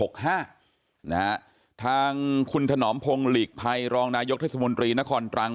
ครับทางคุณถนอมพงศ์หลีกภัยรองรายกรเศรษฐมนตรีณครตรัง